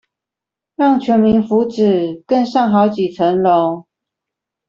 讓全民福祉更上好幾層樓